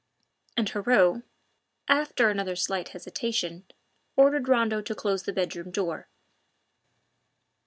And Heriot, after another slight hesitation, ordered Rondeau to close the bedroom door.